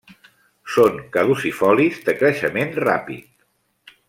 Són caducifolis de creixement ràpid.